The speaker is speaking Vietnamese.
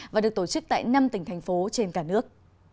và được tổ chức tại năm tỉnh thành phố trên cả nước